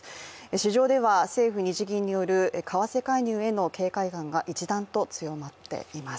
市場では政府日銀による為替介入の警戒感が一段と強まっています。